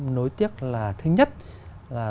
nuối tiếc là thứ nhất là